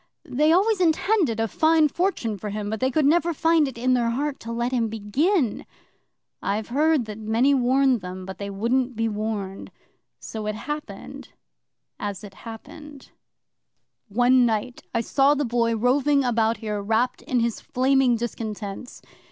They always intended a fine fortune for him but they could never find it in their heart to let him begin. I've heard that many warned them, but they wouldn't be warned. So it happened as it happened. 'One hot night I saw the Boy roving about here wrapped in his flaming discontents.